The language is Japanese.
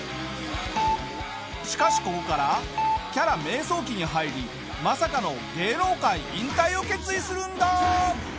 しかしここからキャラ迷走期に入りまさかの芸能界引退を決意するんだ。